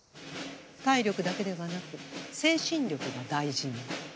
体力だけではなく精神力が大事なの。